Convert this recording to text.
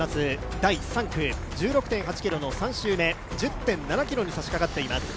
第３区、１６．８ｋｍの３周目、１０．７ｋｍに差しかかっています